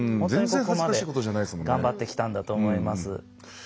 そこまで頑張ってきたんだと思います。